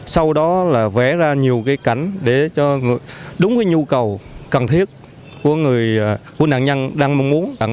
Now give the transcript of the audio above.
sau đó là vẽ ra nhiều cái cảnh để cho đúng cái nhu cầu cần thiết của người nạn nhân đang mong muốn